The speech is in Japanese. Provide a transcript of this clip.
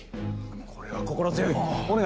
これは心強い！